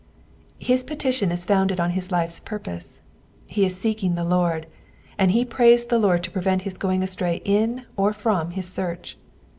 His petition is founded on his life's purpose : he is seeking the Lord, and he prays the Lord to prevent his going astray in or from his search.